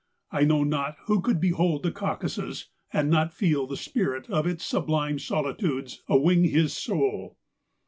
I know not who could behold Caucasus and not feel the spirit of its sublime soli¬ tudes awing his soul.